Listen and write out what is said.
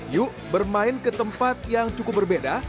yuk bermain ke tempat yang cukup berbeda